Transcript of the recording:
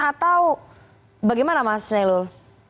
atau bagaimana mas nailul